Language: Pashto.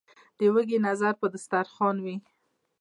ـ د وږي نظر په دستر خوان وي.